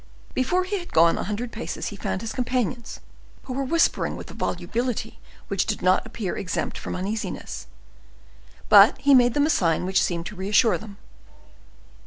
Before he had gone a hundred paces he found his companions, who were whispering with a volubility which did not appear exempt from uneasiness, but he made them a sign which seemed to reassure them.